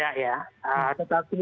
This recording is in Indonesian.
kalau harapannya tentu tidak ya